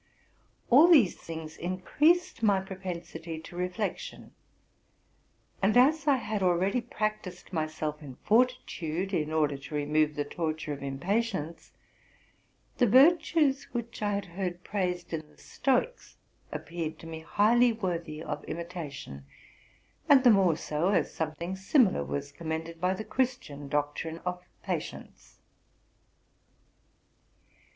All these things increased my propensity to reflection; and as I had already practised myself in fortitude, in order to remove the torture of impatience, the virtues which I had heard praised in the stoics appeared to me highly worthy of imitation, and the more so, as something similar was commended by the Christian doctrine of patience.